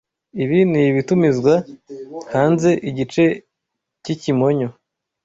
Ibi nibitumizwa hanzeigice cy'ikimonyo.